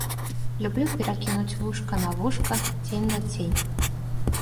Люблю перакінуць вушка на вушка, цень на цень.